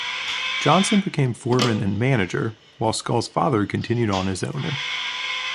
Johnson became foreman and manager, while Scull's father continued on as owner.